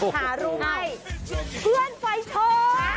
หารูปให้เพื่อนไฟโชค